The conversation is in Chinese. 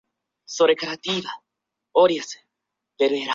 流经稻城县城。